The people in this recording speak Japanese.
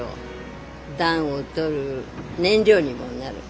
暖を取る燃料にもなる。